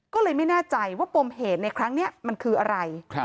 ก็เลยไม่แน่ใจว่าปมเหตุในครั้งนี้มันคืออะไร